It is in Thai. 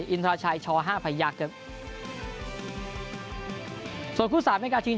เอ็นทราชายช่อห้ายภัยยักษ์ครับส่วนคู่สามแมกกต์ชาย